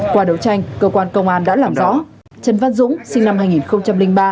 qua đấu tranh cơ quan công an đã làm rõ trần văn dũng sinh năm hai nghìn ba